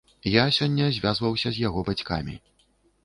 Я сёння звязваўся з яго бацькамі.